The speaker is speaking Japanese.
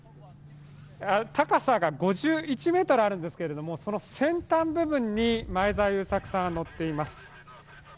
高さが５１ｍあるんですけれども、その先端部分に前澤友作さんは乗っています。